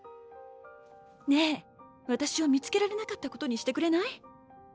ねぇ私を見つけられなかったことにしてくれない？